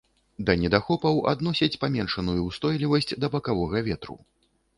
Да недахопаў адносяць паменшаную ўстойлівасць да бакавога ветру.